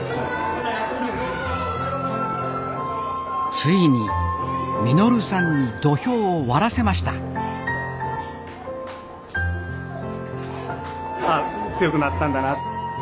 ついに稔さんに土俵を割らせましたあ強くなったんだな。